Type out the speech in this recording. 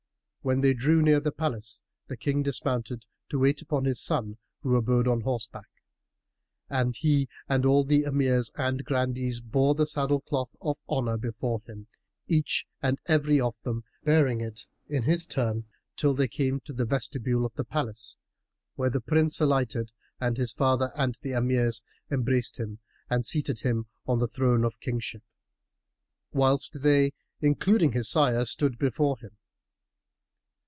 When they drew near the palace, the King dismounted, to wait upon his son who abode on horseback, and he and all the Emirs and Grandees bore the saddlecloth of honour before him, each and every of them bearing it in his turn, till they came to the vestibule of the palace, where the Prince alighted and his father and the Emirs embraced him and seated him on the throne of Kingship, whilst they (including his sire) stood before him.